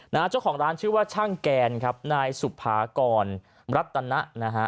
เจ้าของร้านชื่อว่าช่างแกนครับนายสุภากรรัตนะนะฮะ